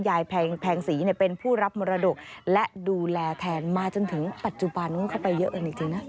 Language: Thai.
ยายแพงศรีเป็นผู้รับมรดกและดูแลแทนมาจนถึงปัจจุบันเข้าไปเยอะเลยจริงนะ